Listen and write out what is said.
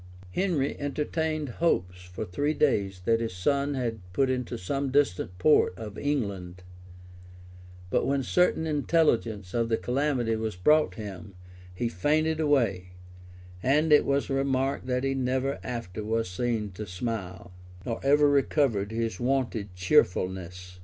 [] Henry entertained hopes for three days that his son had put into some distant port of England; but when certain intelligence of the calamity was brought him, he fainted away; and it was remarked, that he never after was seen to smile, nor ever recovered his wonted cheerfulness.